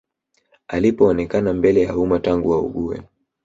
Alipoonekana mbele ya umma tangu augue